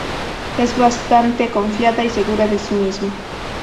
Es bastante confiada y segura de sí misma.